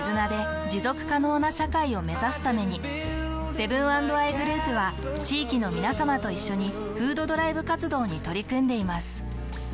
セブン＆アイグループは地域のみなさまと一緒に「フードドライブ活動」に取り組んでいます。